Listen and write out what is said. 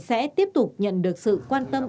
sẽ tiếp tục nhận được sự quan tâm